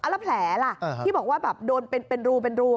แล้วแผลล่ะที่บอกว่าแบบโดนเป็นรูเป็นรู